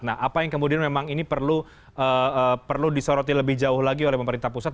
nah apa yang kemudian memang ini perlu disoroti lebih jauh lagi oleh pemerintah pusat